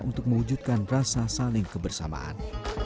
untuk mewujudkan rasa saling kebersamaan